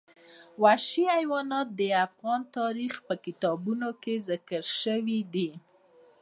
وحشي حیوانات د افغان تاریخ په کتابونو کې ذکر شوی دي.